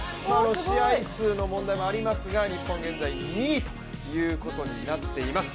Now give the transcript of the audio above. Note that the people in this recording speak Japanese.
試合数の問題もありますが、日本は現在２位になっています。